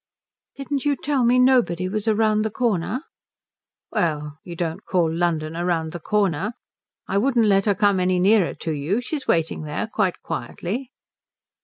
"Didn't you tell me nobody was round the corner?" "Well, you don't call London round the corner? I wouldn't let her come any nearer to you. She's waiting there quite quietly."